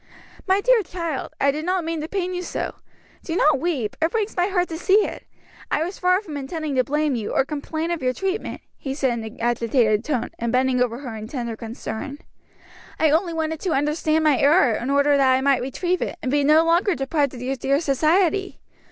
"My dear child, I did not mean to pain you so; do not weep, it breaks my heart to see it. I was far from intending to blame you, or complain of your treatment," he said in an agitated tone, and bending over her in tender concern. "I only wanted to understand my error in order that I might retrieve it, and be no longer deprived of your dear society.